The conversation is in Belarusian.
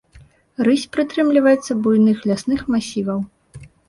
Рысь прытрымліваецца буйных лясных масіваў.